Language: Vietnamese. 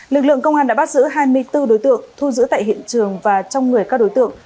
lực lượng công an đã bắt giữ hai mươi bốn đối tượng thu giữ tại hiện trường và trong người các đối tượng